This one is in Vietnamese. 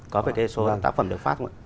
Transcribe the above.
có phải số tác phẩm được phát không ạ